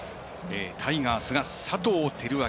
タイガースが佐藤輝明